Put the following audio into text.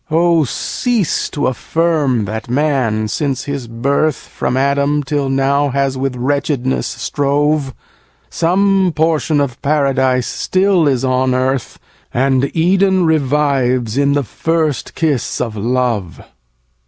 6. Oh! cease to affirm that man, since his birth, From Adam, till now, has with wretchedness strove; Some portion of Paradise still is on earth, And Eden revives, in the first kiss of love.